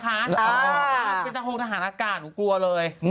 เป็นตะโฮกทหารากาศหนูกลัวเลย